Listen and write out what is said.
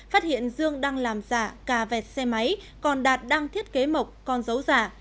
phát hiện dương đang làm giả cả vẹt xe máy còn đạt đang thiết kế mộc con dấu giả